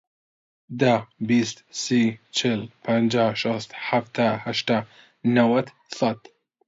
دە، بیست، سی، چل، پەنجا، شەست، حەفتا، هەشتا، نەوەت، سەد.